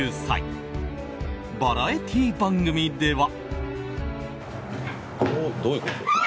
バラエティー番組では。